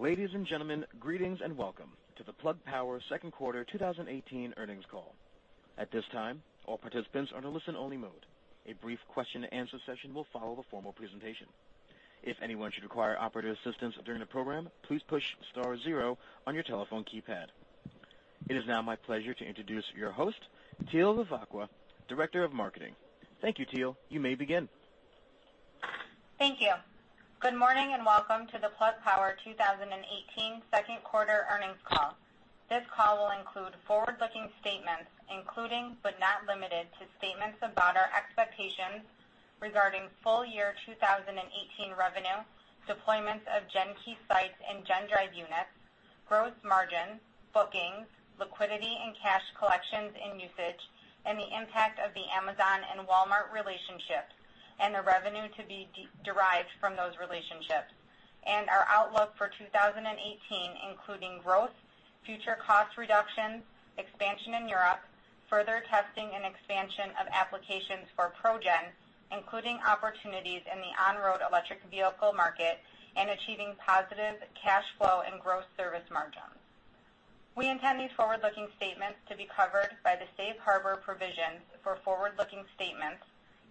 Ladies and gentlemen, greetings and welcome to the Plug Power second quarter 2018 earnings call. At this time, all participants are in listen only mode. A brief question and answer session will follow the formal presentation. If anyone should require operative assistance during the program, please push star zero on your telephone keypad. It is now my pleasure to introduce your host, Teal Vivacqua, Director of Marketing. Thank you, Teal. You may begin. Thank you. Good morning, and welcome to the Plug Power 2018 second quarter earnings call. This call will include forward-looking statements, including, but not limited to, statements about our expectations regarding full year 2018 revenue, deployments of GenKey sites and GenDrive units, gross margin, bookings, liquidity and cash collections and usage, and the impact of the Amazon and Walmart relationships and the revenue to be derived from those relationships, and our outlook for 2018, including growth, future cost reductions, expansion in Europe, further testing and expansion of applications for ProGen, including opportunities in the on-road electric vehicle market and achieving positive cash flow and gross service margins. We intend these forward-looking statements to be covered by the safe harbor provisions for forward-looking statements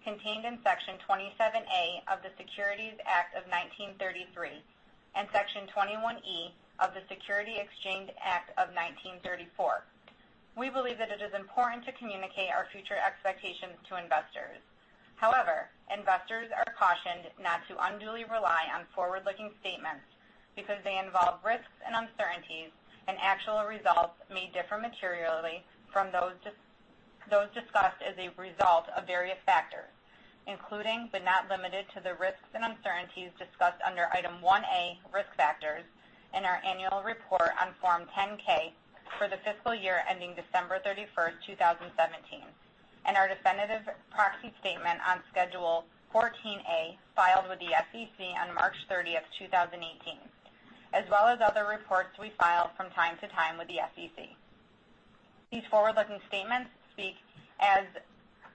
contained in Section 27A of the Securities Act of 1933 and Section 21E of the Securities Exchange Act of 1934. We believe that it is important to communicate our future expectations to investors. However, investors are cautioned not to unduly rely on forward-looking statements because they involve risks and uncertainties, and actual results may differ materially from those discussed as a result of various factors, including, but not limited to, the risks and uncertainties discussed under Item 1A, Risk Factors, in our annual report on Form 10-K for the fiscal year ending December 31st, 2017, and our definitive proxy statement on Schedule 14A, filed with the SEC on March 30th, 2018, as well as other reports we file from time to time with the SEC. These forward-looking statements speak as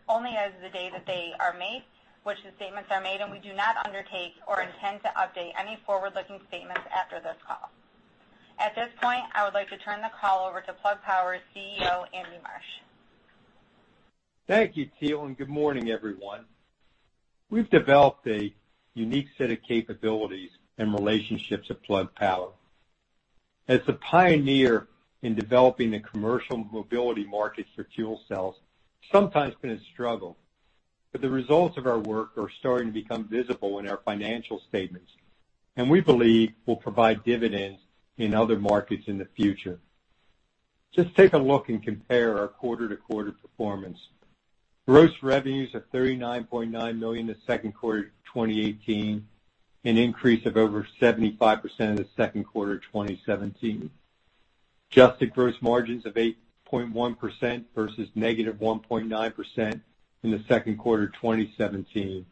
only as the day that they are made, which the statements are made, and we do not undertake or intend to update any forward-looking statements after this call. At this point, I would like to turn the call over to Plug Power CEO, Andy Marsh. Thank you, Teal, and good morning, everyone. We've developed a unique set of capabilities and relationships at Plug Power. As the pioneer in developing the commercial mobility market for fuel cells, sometimes been a struggle. The results of our work are starting to become visible in our financial statements, and we believe will provide dividends in other markets in the future. Just take a look and compare our quarter-to-quarter performance. Gross revenues of $39.9 million at second quarter 2018, an increase of over 75% of the second quarter 2017. Adjusted gross margins of 8.1% versus -1.9% in the second quarter 2017.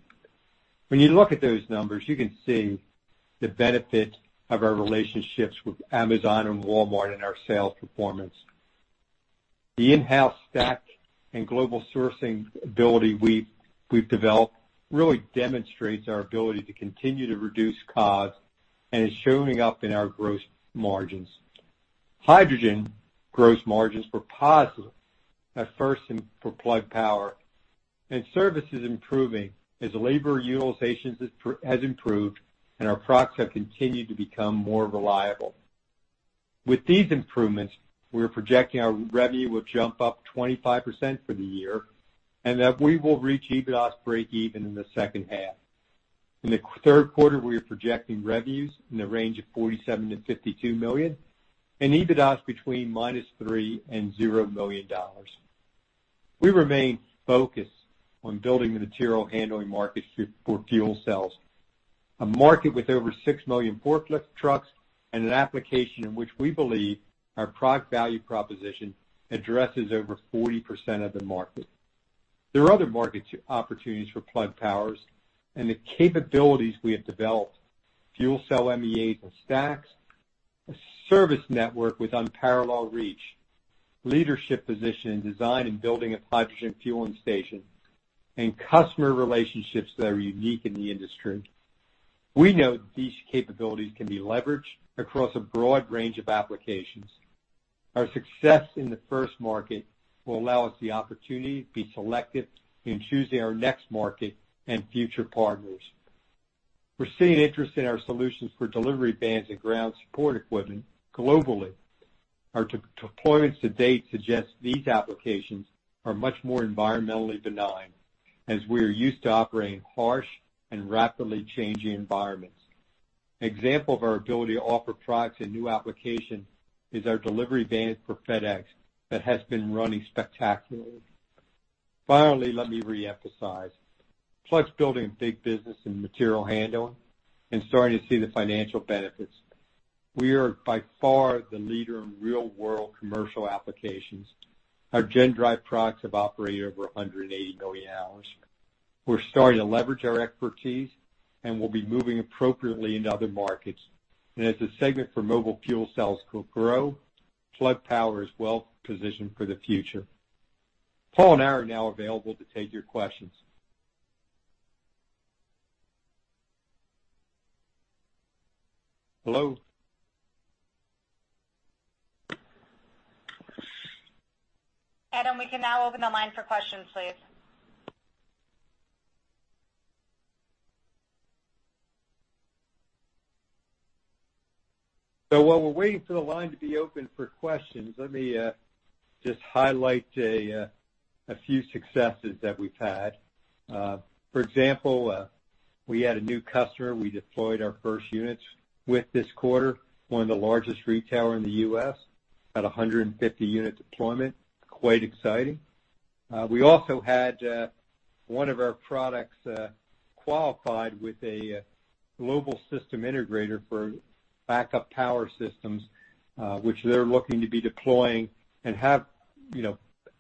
When you look at those numbers, you can see the benefit of our relationships with Amazon and Walmart in our sales performance. The in-house stack and global sourcing ability we've developed really demonstrates our ability to continue to reduce costs, and it's showing up in our gross margins. Hydrogen gross margins were positive at first for Plug Power, and service is improving as labor utilization has improved and our products have continued to become more reliable. With these improvements, we are projecting our revenue will jump up 25% for the year, and that we will reach EBITDA break even in the second half. In the third quarter, we are projecting revenues in the range of $47 million-$52 million and EBITDA between -$3 million and $0 million. We remain focused on building the material handling market for fuel cells, a market with over 6 million forklift trucks and an application in which we believe our product value proposition addresses over 40% of the market. There are other market opportunities for Plug Power and the capabilities we have developed, fuel cell MEAs and stacks, a service network with unparalleled reach, leadership position in design and building of hydrogen fueling stations, and customer relationships that are unique in the industry. We know these capabilities can be leveraged across a broad range of applications. Our success in the first market will allow us the opportunity to be selective in choosing our next market and future partners. We're seeing interest in our solutions for delivery vans and ground support equipment globally. Our deployments to date suggest these applications are much more environmentally benign, as we are used to operating in harsh and rapidly changing environments. An example of our ability to offer products and new applications is our delivery vans for FedEx that has been running spectacularly. Finally, let me reemphasize, Plug's building a big business in material handling and starting to see the financial benefits. We are by far the leader in real-world commercial applications. Our GenDrive products have operated over 180 million hours. We're starting to leverage our expertise, and we'll be moving appropriately into other markets. As the segment for mobile fuel cells will grow, Plug Power is well positioned for the future. Paul and I are now available to take your questions. Hello? Adam, we can now open the line for questions, please. While we're waiting for the line to be open for questions, let me just highlight a few successes that we've had. For example, we had a new customer. We deployed our first units with this quarter, one of the largest retailer in the U.S., at 150-unit deployment. Quite exciting. We also had one of our products qualified with a global system integrator for backup power systems, which they're looking to be deploying and have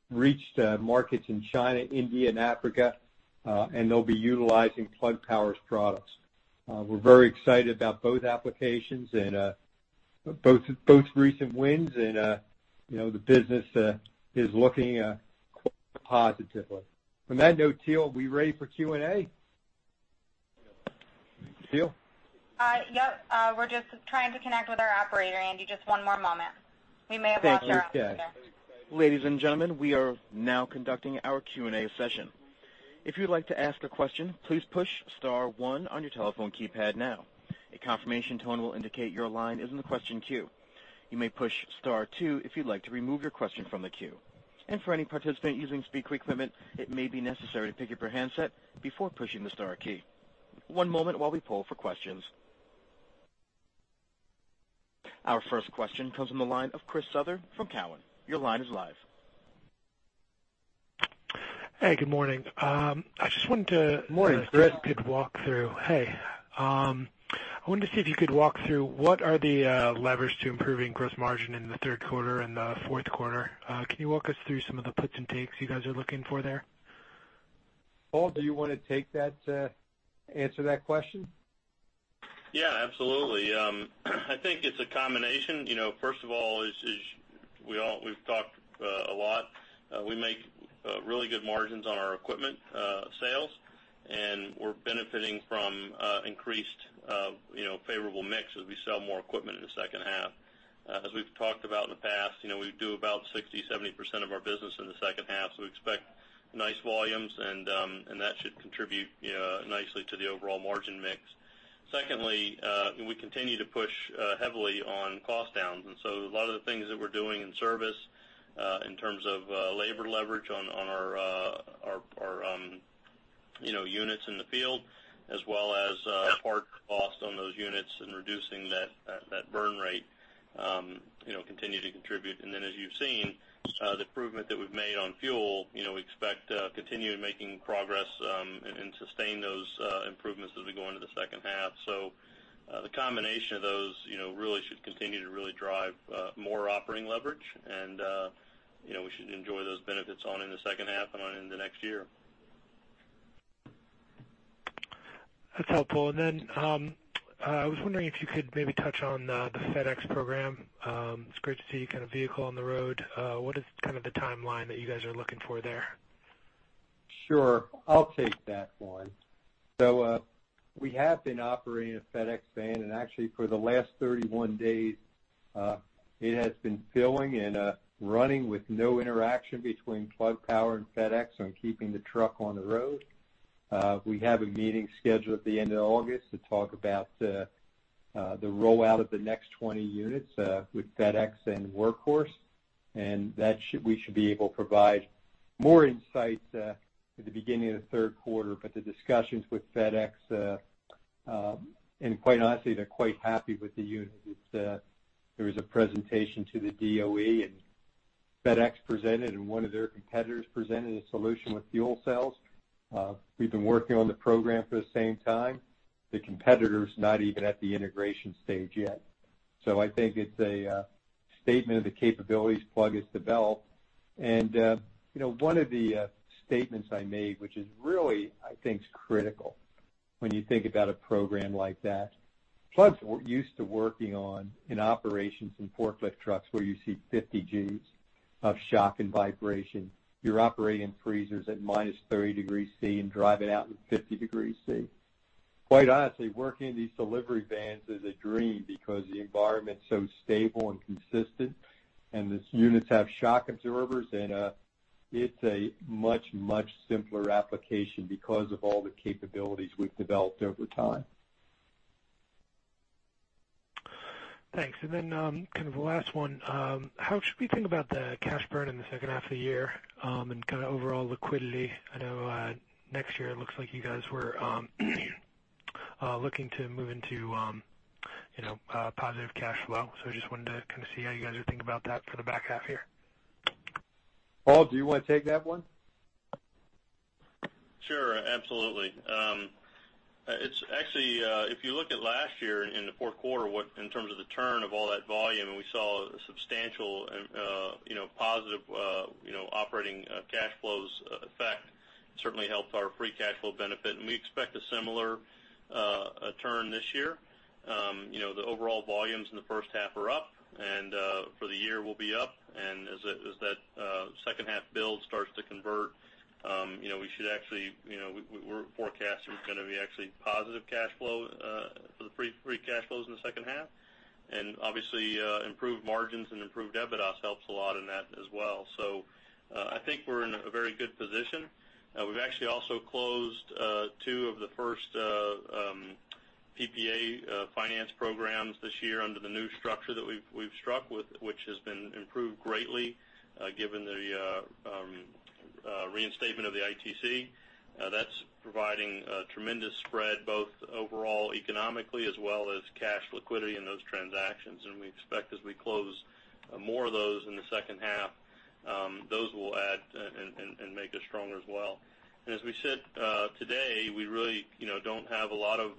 reached markets in China, India, and Africa, and they'll be utilizing Plug Power's products. We're very excited about both applications and both recent wins, and the business is looking quite positively. On that note, Teal, are we ready for Q&A? Teal? Yep. We're just trying to connect with our operator, Andy, just one more moment. We may have lost our operator. Thank you. Ladies and gentlemen, we are now conducting our Q&A session. If you'd like to ask a question, please push star one on your telephone keypad now. A confirmation tone will indicate your line is in the question queue. You may push star two if you'd like to remove your question from the queue. For any participant using speaker equipment, it may be necessary to pick up your handset before pushing the star key. One moment while we poll for questions. Our first question comes from the line of Chris Souther from Cowen. Your line is live. Hey, good morning. Morning, Chris. Hey. I wanted to see if you could walk through what are the levers to improving gross margin in the third quarter and the fourth quarter. Can you walk us through some of the puts and takes you guys are looking for there? Paul, do you want to take that to answer that question? Yeah, absolutely. I think it's a combination. First of all, we've talked a lot. We make really good margins on our equipment sales, and we're benefiting from increased favorable mix as we sell more equipment in the second half. As we've talked about in the past, we do about 60%, 70% of our business in the second half. We expect nice volumes, and that should contribute nicely to the overall margin mix. Secondly, we continue to push heavily on cost downs. A lot of the things that we're doing in service, in terms of labor leverage on our units in the field as well as part cost on those units and reducing that burn rate continue to contribute. As you've seen, the improvement that we've made on fuel, we expect to continue making progress, and sustain those improvements as we go into the second half. The combination of those really should continue to really drive more operating leverage and we should enjoy those benefits on in the second half and on in the next year. That's helpful. I was wondering if you could maybe touch on the FedEx program. It's great to see your kind of vehicle on the road. What is the timeline that you guys are looking for there? I'll take that one. We have been operating a FedEx van, and actually for the last 31 days, it has been filling and running with no interaction between Plug Power and FedEx on keeping the truck on the road. We have a meeting scheduled at the end of August to talk about the rollout of the next 20 units, with FedEx and Workhorse, and we should be able to provide more insights at the beginning of the third quarter. The discussions with FedEx, and quite honestly, they're quite happy with the unit. There was a presentation to the DOE, and FedEx presented, and one of their competitors presented a solution with fuel cells. We've been working on the program for the same time. The competitor's not even at the integration stage yet. I think it's a statement of the capabilities Plug has developed. One of the statements I made, which is really, I think, is critical when you think about a program like that. Plug's used to working on in operations and forklift trucks where you see 50 Gs of shock and vibration. You're operating freezers at -30 degrees Celsius and drive it out in 50 degrees Celsius. Quite honestly, working in these delivery vans is a dream because the environment's so stable and consistent, and these units have shock absorbers, and it's a much, much simpler application because of all the capabilities we've developed over time. Thanks. The last one. How should we think about the cash burn in the second half of the year, and kind of overall liquidity? I know next year it looks like you guys were looking to move into positive cash flow. I just wanted to see how you guys are thinking about that for the back half here. Paul, do you want to take that one? Sure, absolutely. It's actually, if you look at last year in the fourth quarter, in terms of the turn of all that volume. We saw a substantial positive operating cash flows effect certainly helped our free cash flow benefit, and we expect a similar turn this year. The overall volumes in the first half are up. For the year will be up, as that Build starts to convert. We're forecasting it's going to be actually positive cash flow for the free cash flows in the second half. Obviously, improved margins and improved EBITDA helps a lot in that as well. I think we're in a very good position. We've actually also closed two of the first PPA finance programs this year under the new structure that we've struck, which has been improved greatly given the reinstatement of the ITC. That's providing a tremendous spread, both overall economically as well as cash liquidity in those transactions. We expect as we close more of those in the second half, those will add and make us stronger as well. As we sit today, we really don't have a lot of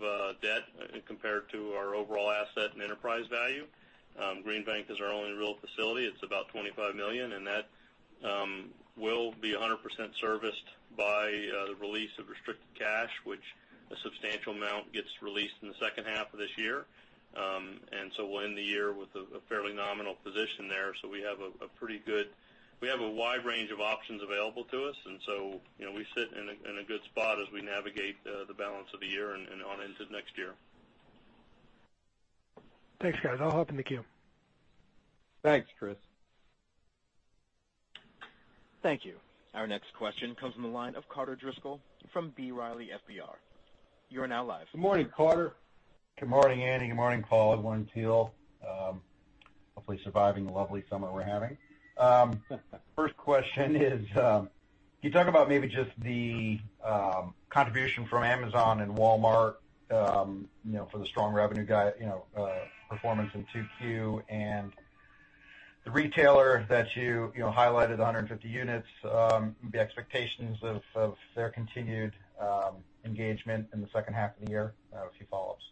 debt compared to our overall asset and enterprise value. Green Bank is our only real facility. It's about $25 million. That will be 100% serviced by the release of restricted cash, which a substantial amount gets released in the second half of this year. We'll end the year with a fairly nominal position there. We have a wide range of options available to us, we sit in a good spot as we navigate the balance of the year and on into next year. Thanks, guys. I'll hop in the queue. Thanks, Chris. Thank you. Our next question comes from the line of Carter Driscoll from B. Riley FBR. You are now live. Good morning, Carter. Good morning, Andy. Good morning, Paul. Everyone's teal. Hopefully surviving the lovely summer we're having. First question is, can you talk about maybe just the contribution from Amazon and Walmart for the strong revenue performance in 2Q and the retailer that you highlighted 150 units, the expectations of their continued engagement in the second half of the year? A few follow-ups.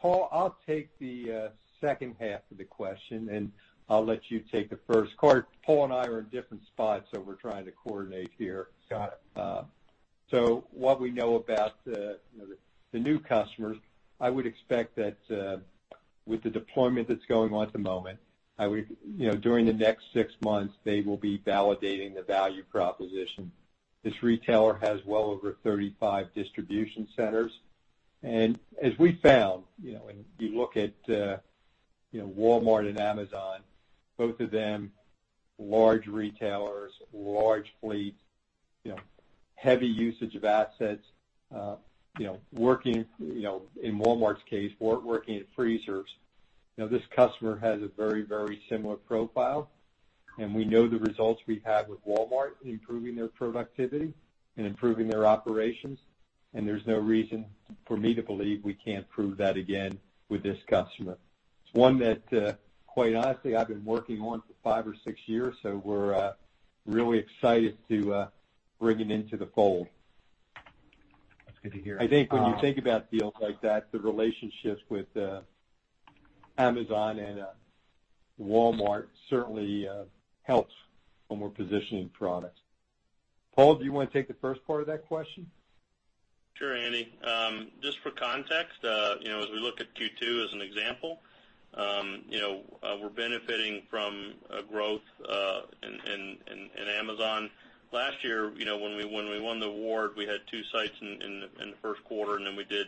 Paul, I'll take the second half of the question, and I'll let you take the first. Carter, Paul and I are in different spots, so we're trying to coordinate here. Got it. What we know about the new customers, I would expect that with the deployment that's going on at the moment, during the next six months, they will be validating the value proposition. This retailer has well over 35 distribution centers. As we found, when you look at Walmart and Amazon, both of them large retailers, large fleets, heavy usage of assets, in Walmart's case, working in freezers. This customer has a very similar profile, and we know the results we've had with Walmart in improving their productivity and improving their operations, and there's no reason for me to believe we can't prove that again with this customer. It's one that, quite honestly, I've been working on for five or six years, so we're really excited to bring it into the fold. That's good to hear. I think when you think about deals like that, the relationships with Amazon and Walmart certainly helps when we're positioning product. Paul, do you want to take the first part of that question? Sure, Andy. Just for context, as we look at Q2 as an example, we're benefiting from a growth in Amazon. Last year, when we won the award, we had two sites in the first quarter, and then we did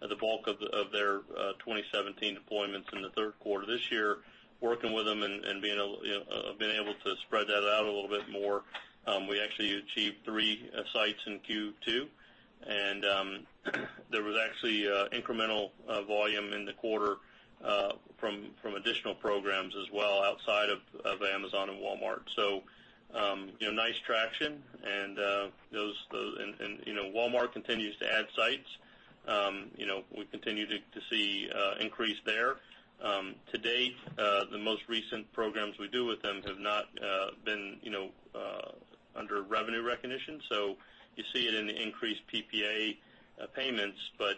the bulk of their 2017 deployments in the third quarter. This year, working with them and being able to spread that out a little bit more, we actually achieved three sites in Q2, and there was actually incremental volume in the quarter from additional programs as well outside of Amazon and Walmart. Nice traction, and Walmart continues to add sites. We continue to see increase there. To date, the most recent programs we do with them have not been under revenue recognition. You see it in the increased PPA payments, but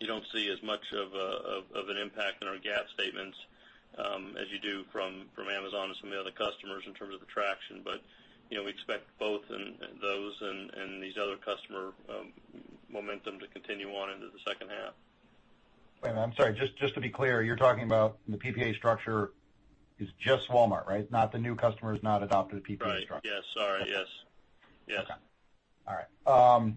you don't see as much of an impact in our GAAP statements as you do from Amazon and some of the other customers in terms of the traction. We expect both those and these other customer momentum to continue on into the second half. Wait, I'm sorry. Just to be clear, you're talking about the PPA structure is just Walmart, right? Not the new customers not adopted the PPA structure. Right. Yes. Sorry. Yes. Okay. All right.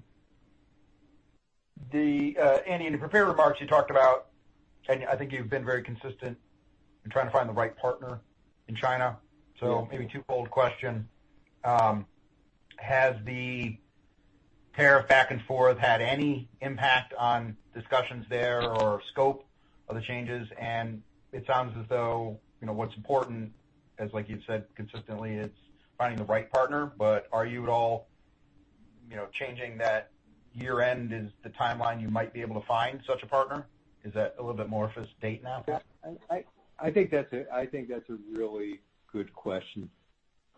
Andy, in the prepared remarks you talked about, and I think you've been very consistent in trying to find the right partner in China. Yes. Maybe two-fold question. Has the tariff back and forth had any impact on discussions there or scope of the changes? It sounds as though what's important is, like you've said consistently, it's finding the right partner, but are you at all changing that year-end is the timeline you might be able to find such a partner? Is that a little bit more of a date now? I think that's a really good question,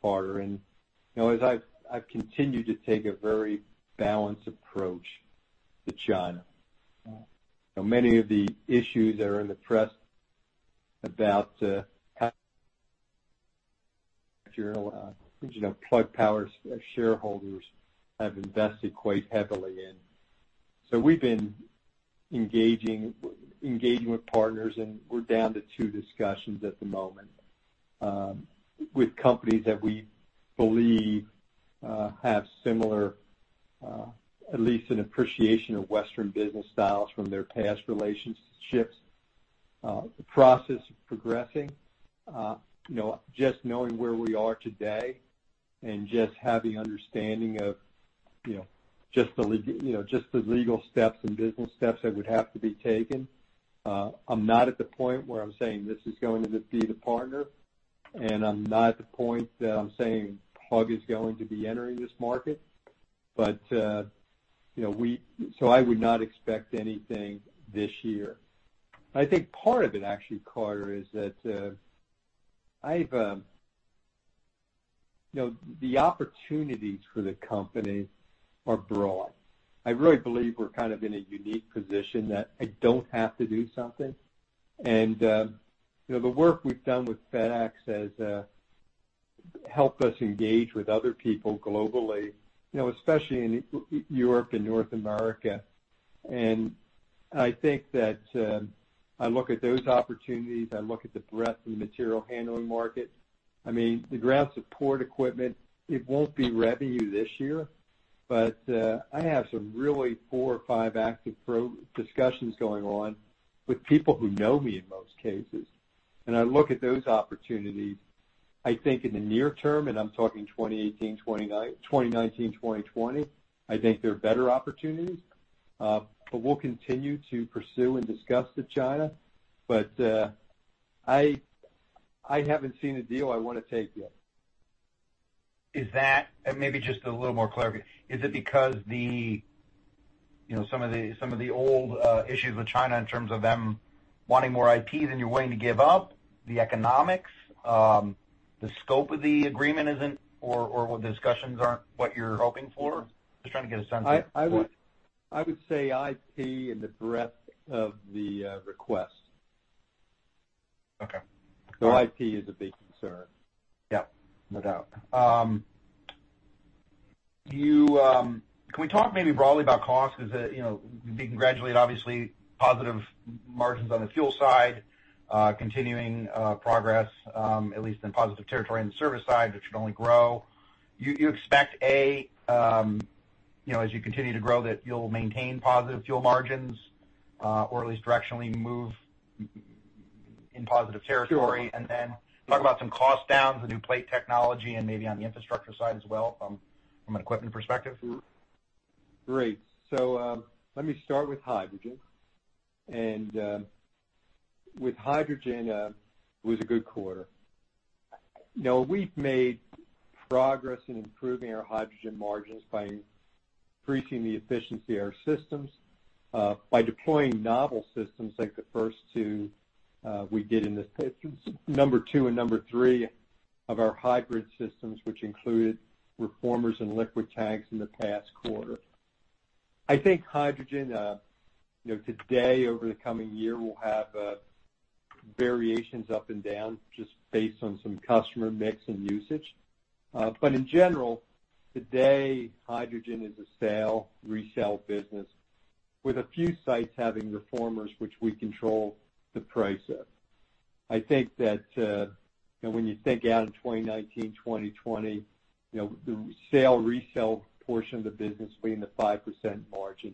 Carter. As I've continued to take a very balanced approach to China. Many of the issues that are in the press about how Plug Power's shareholders have invested quite heavily in We've been engaging with partners, and we're down to two discussions at the moment with companies that we believe have similar, at least an appreciation of Western business styles from their past relationships. The process is progressing. Just knowing where we are today and just having understanding of just the legal steps and business steps that would have to be taken. I'm not at the point where I'm saying this is going to be the partner, and I'm not at the point that I'm saying Plug is going to be entering this market. I would not expect anything this year. I think part of it, actually, Carter, is that the opportunities for the company are broad. I really believe we're kind of in a unique position that I don't have to do something. The work we've done with FedEx has helped us engage with other people globally, especially in Europe and North America. I think that I look at those opportunities, I look at the breadth of the material handling market. I mean, the ground support equipment, it won't be revenue this year, but I have some really four or five active discussions going on with people who know me in most cases. I look at those opportunities, I think in the near term, and I'm talking 2018, 2019, 2020, I think there are better opportunities. We'll continue to pursue and discuss the China. I haven't seen a deal I want to take yet. Is that, and maybe just a little more clarity, is it because some of the old issues with China in terms of them wanting more IP than you're willing to give up, the economics, the scope of the agreement isn't, or the discussions aren't what you're hoping for? Just trying to get a sense of. I would say IP and the breadth of the request. Okay. IP is a big concern. Yeah, no doubt. Can we talk maybe broadly about cost? We can gradually, obviously, positive margins on the fuel side, continuing progress, at least in positive territory on the service side, which should only grow. You expect as you continue to grow, that you'll maintain positive fuel margins, or at least directionally move in positive territory? Sure. Talk about some cost downs with new plate technology and maybe on the infrastructure side as well from an equipment perspective. Great. Let me start with hydrogen. With hydrogen, it was a good quarter. We've made progress in improving our hydrogen margins by increasing the efficiency of our systems, by deploying novel systems like the first two we did, number two and number three of our hybrid systems, which included reformers and liquid tanks in the past quarter. I think hydrogen, today, over the coming year, will have variations up and down just based on some customer mix and usage. In general, today, hydrogen is a sale, resell business with a few sites having reformers which we control the price of. I think that when you think out in 2019, 2020, the sale, resell portion of the business being the 5% margin.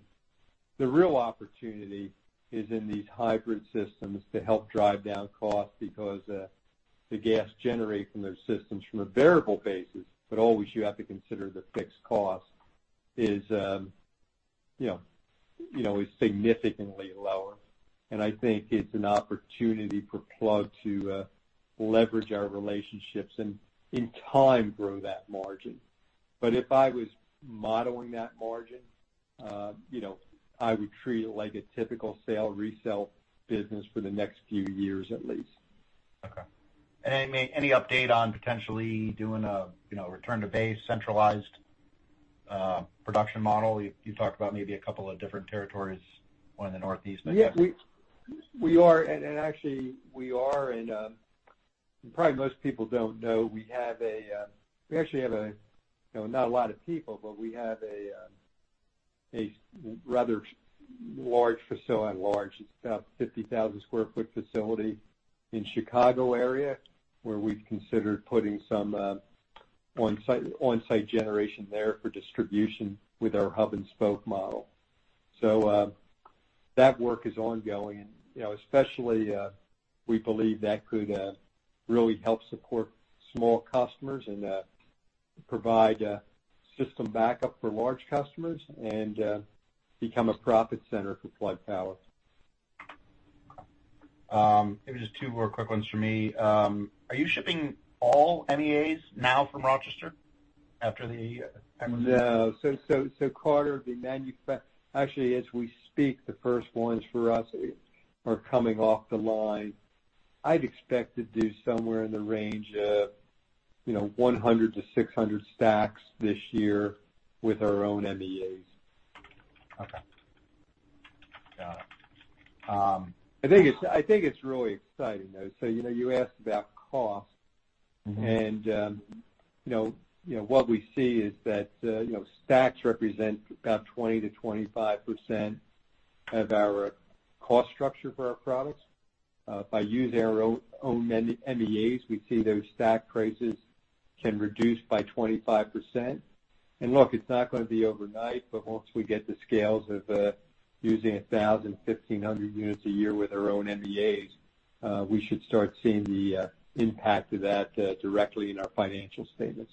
The real opportunity is in these hybrid systems to help drive down costs because the gas generated from those systems from a variable basis, but always you have to consider the fixed cost is significantly lower. I think it's an opportunity for Plug to leverage our relationships and in time grow that margin. If I was modeling that margin, I would treat it like a typical sale, resell business for the next few years at least. Okay. Any update on potentially doing a return-to-base centralized production model? You talked about maybe a couple of different territories, one in the Northeast, I think. Yeah. We are, we actually have a, not a lot of people, but we have a rather large facility. Large, it's about 50,000 square foot facility in Chicago area where we've considered putting some on-site generation there for distribution with our hub-and-spoke model. That work is ongoing, we believe that could really help support small customers and provide system backup for large customers and become a profit center for Plug Power. Okay. Maybe just two more quick ones from me. Are you shipping all MEAs now from Rochester after the- No. Carter, actually, as we speak, the first ones for us are coming off the line. I'd expect to do somewhere in the range of 100 to 600 stacks this year with our own MEAs. Okay. Yeah. I think it's really exciting, though. You asked about cost. What we see is that stacks represent about 20%-25% of our cost structure for our products. By using our own MEAs, we see those stack prices can reduce by 25%. Look, it's not going to be overnight, but once we get the scales of using 1,000, 1,500 units a year with our own MEAs, we should start seeing the impact of that directly in our financial statements.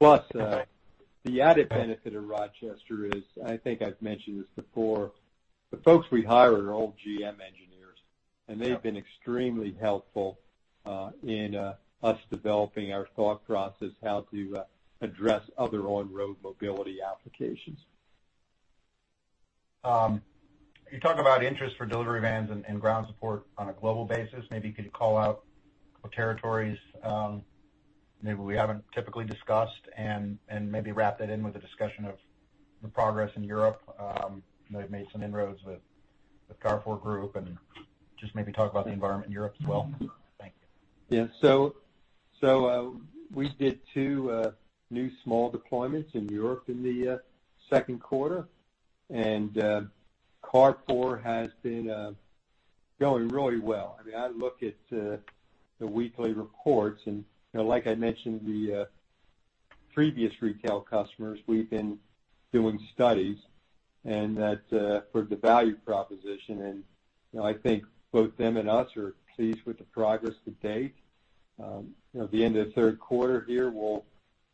Plus, the added benefit of Rochester is, I think I've mentioned this before, the folks we hire are all GM engineers. Yeah. They've been extremely helpful in us developing our thought process, how to address other on-road mobility applications. You talk about interest for delivery vans and ground support on a global basis. Maybe you could call out what territories maybe we haven't typically discussed, and maybe wrap that in with a discussion of the progress in Europe. I know you've made some inroads with Carrefour Group, and just maybe talk about the environment in Europe as well. Thank you. Yeah. We did two new small deployments in Europe in the second quarter. Carrefour has been going really well. I look at the weekly reports and, like I mentioned, the previous retail customers, we've been doing studies, and that for the value proposition, and I think both them and us are pleased with the progress to date. At the end of the third quarter here, we'll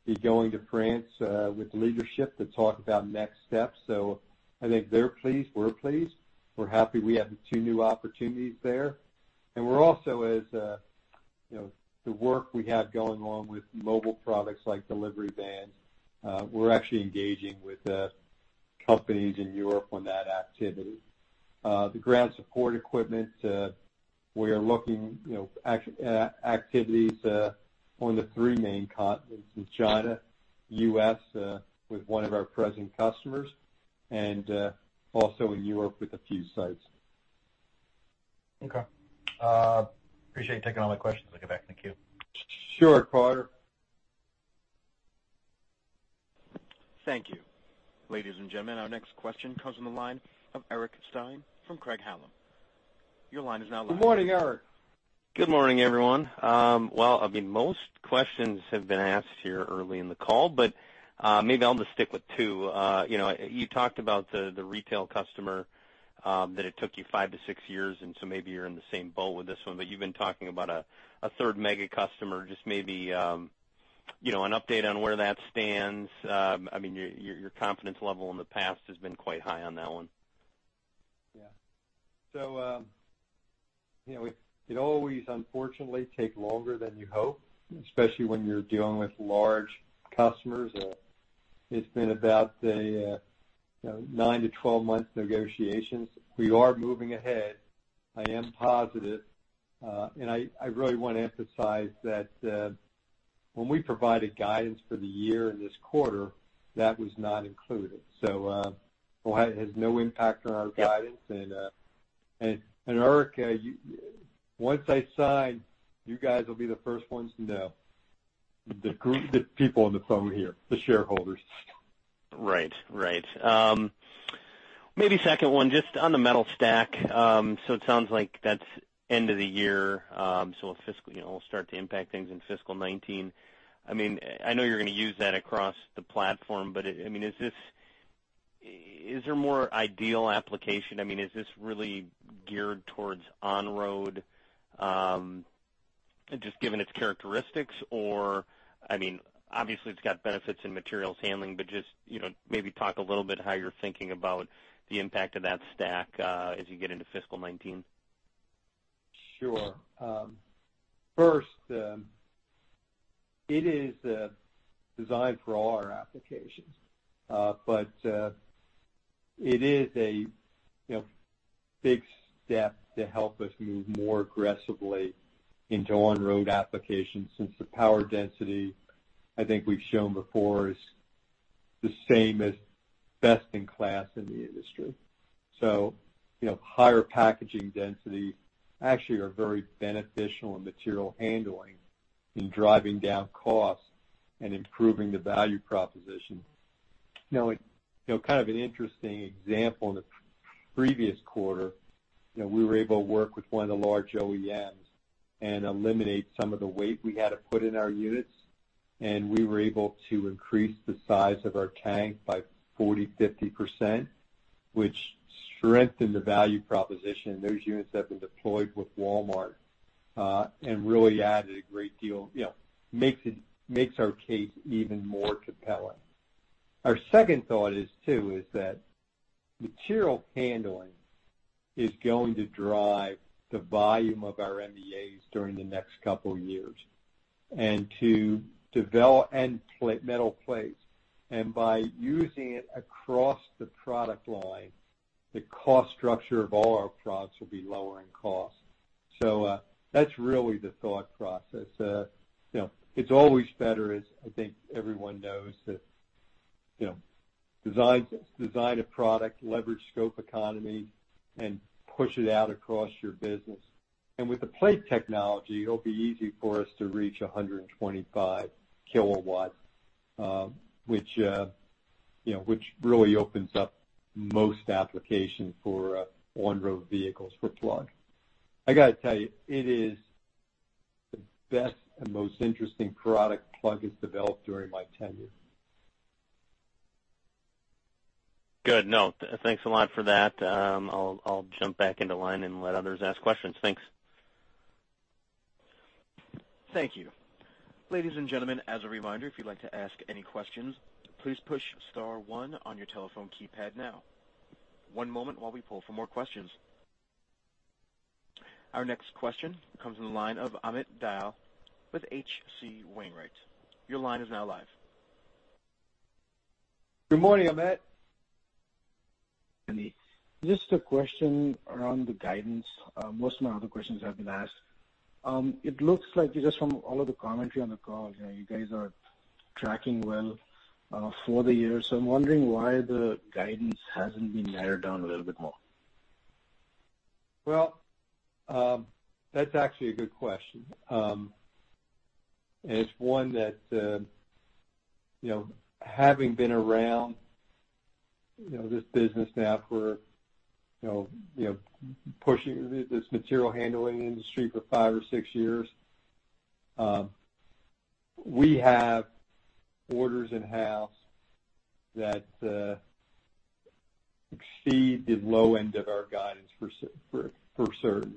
be going to France with the leadership to talk about next steps. I think they're pleased, we're pleased. We're happy we have two new opportunities there. We're also as the work we have going on with mobile products like delivery vans, we're actually engaging with companies in Europe on that activity. The ground support equipment, we are looking activities on the three main continents, in China, the U.S., with one of our present customers, and also in Europe with a few sites. Okay. Appreciate you taking all my questions. I'll get back in the queue. Sure, Carter. Thank you. Ladies and gentlemen, our next question comes on the line of Eric Stine from Craig-Hallum. Your line is now live. Good morning, Eric. Good morning, everyone. Most questions have been asked here early in the call, maybe I'll just stick with two. You talked about the retail customer, that it took you 5-6 years, maybe you're in the same boat with this one. You've been talking about a third mega customer, just maybe an update on where that stands. Your confidence level in the past has been quite high on that one. Yeah. It always unfortunately take longer than you hope, especially when you're dealing with large customers. It's been about a 9-12 months negotiations. We are moving ahead. I am positive. I really want to emphasize that when we provided guidance for the year and this quarter, that was not included. It has no impact on our guidance. Yeah. Eric, once I sign, you guys will be the first ones to know. The group, the people on the phone here, the shareholders. Right. Maybe second one, just on the metal stack. It sounds like that's end of the year, so it'll start to impact things in fiscal 2019. I know you're gonna use that across the platform, but is there more ideal application? Is this really geared towards on-road, just given its characteristics, or obviously it's got benefits in materials handling, but just maybe talk a little bit how you're thinking about the impact of that stack, as you get into fiscal 2019. Sure. First, it is designed for all our applications. It is a big step to help us move more aggressively into on-road applications since the power density, I think we've shown before, is the same as best in class in the industry. Higher packaging density actually are very beneficial in material handling in driving down costs and improving the value proposition. Now, kind of an interesting example in the previous quarter, we were able to work with one of the large OEMs and eliminate some of the weight we had to put in our units, and we were able to increase the size of our tank by 40%, 50%, which strengthened the value proposition of those units that were deployed with Walmart, and really added a great deal, makes our case even more compelling. Our second thought is too, is that material handling is going to drive the volume of our MEAs during the next couple of years. To develop and metal plates. By using it across the product line, the cost structure of all our products will be lower in cost. That's really the thought process. It's always better, as I think everyone knows, that design a product, leverage scope economy, and push it out across your business. With the plate technology, it'll be easy for us to reach 125 kilowatts which really opens up most application for on-road vehicles for Plug. I got to tell you, it is the best and most interesting product Plug has developed during my tenure. Good. No, thanks a lot for that. I'll jump back into line and let others ask questions. Thanks. Thank you. Ladies and gentlemen, as a reminder, if you'd like to ask any questions, please push star one on your telephone keypad now. One moment while we poll for more questions. Our next question comes from the line of Amit Dayal with H.C. Wainwright. Your line is now live. Good morning, Amit. Andy. Just a question around the guidance. Most of my other questions have been asked. It looks like just from all of the commentary on the call, you guys are tracking well for the year. I'm wondering why the guidance hasn't been narrowed down a little bit more. Well, that's actually a good question. It's one that, having been around this business now for pushing this material handling industry for five or six years, we have orders in house that exceed the low end of our guidance for certain.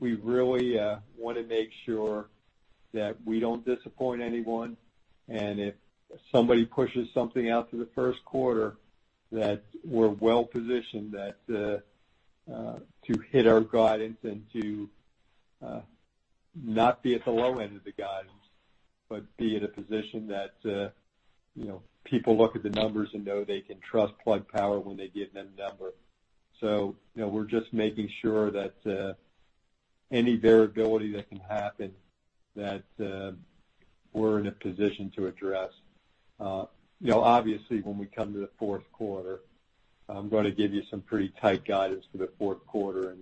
We really want to make sure that we don't disappoint anyone, and if somebody pushes something out to the first quarter, that we're well-positioned to hit our guidance and to not be at the low end of the guidance, but be at a position that people look at the numbers and know they can trust Plug Power when they give them a number. We're just making sure that any variability that can happen, that we're in a position to address. Obviously, when we come to the fourth quarter, I'm going to give you some pretty tight guidance for the fourth quarter,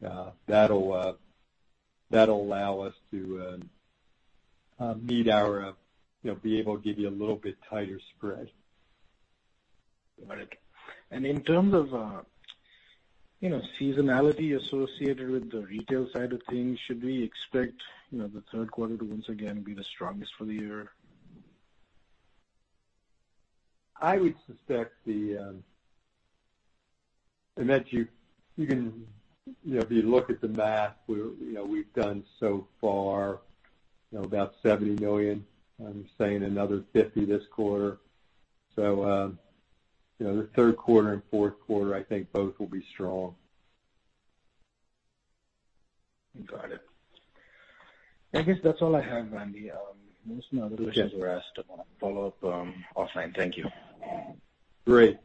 and that'll allow us to be able to give you a little bit tighter spread. Got it. In terms of seasonality associated with the retail side of things, should we expect the third quarter to once again be the strongest for the year? I would suspect, Amit, if you look at the math, we've done so far about $70 million. I'm saying another $50 million this quarter. The third quarter and fourth quarter, I think both will be strong. Got it. I guess that's all I have, Andy. Most of my other questions were asked. I'll follow up offline. Thank you. Great.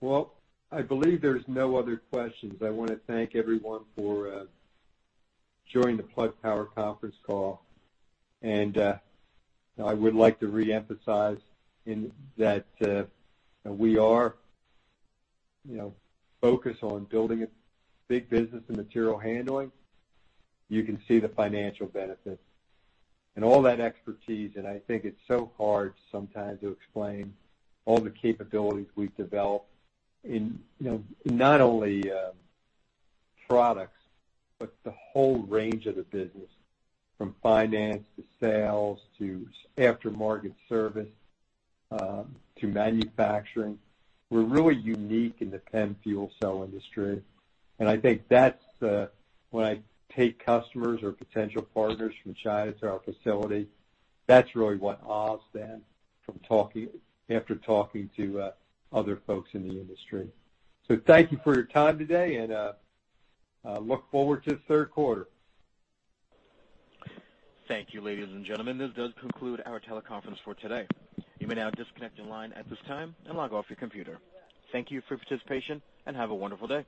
Well, I believe there's no other questions. I want to thank everyone for joining the Plug Power conference call. I would like to reemphasize that we are focused on building a big business in material handling. You can see the financial benefits and all that expertise. I think it's so hard sometimes to explain all the capabilities we've developed in not only products, but the whole range of the business, from finance to sales to after-market service to manufacturing. We're really unique in the PEM fuel cell industry. I think that's when I take customers or potential partners from China to our facility, that's really what awes them after talking to other folks in the industry. Thank you for your time today. I look forward to the third quarter. Thank you, ladies and gentlemen. This does conclude our teleconference for today. You may now disconnect your line at this time and log off your computer. Thank you for your participation. Have a wonderful day.